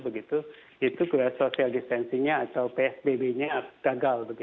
begitu ada kerumunan itu social distancingnya atau psbb nya gagal